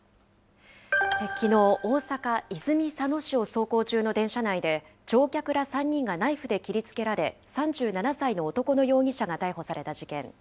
きのう、大阪・泉佐野市を走行中の電車内で、乗客ら３人がナイフで切りつけられ、３７歳の男の容疑者が逮捕された事件。